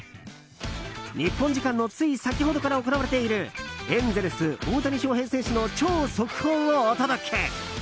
日本時間のつい先ほどから行われているエンゼルス、大谷翔平選手の超速報をお届け！